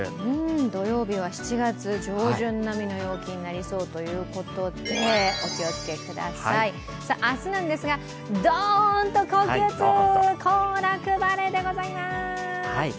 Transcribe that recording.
土曜日は７月上旬並みの陽気になりそうということでお気をつけください明日なんですがドーンと高気圧、行楽晴れでございます。